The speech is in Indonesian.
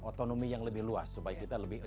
otonomi yang lebih luas supaya kita lebih